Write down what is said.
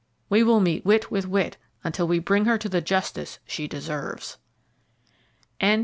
We will meet wit with wit, until we bring her to the justice she deserves." Chapter III.